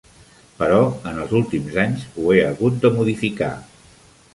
Però en els últims anys ho he hagut de modificar.